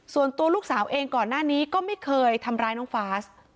ส่วนตัวลูกสาวเองก่อนหน้านี้ก็ไม่เคยทำร้ายน้องฟาส